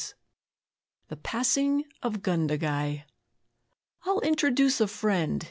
The Passing of Gundagai 'I'll introdooce a friend!'